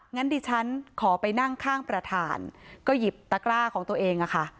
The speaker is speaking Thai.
งั้นดิฉันขอไปนั่งข้างประธานก็หยิบตะกร้าของตัวเองอะค่ะ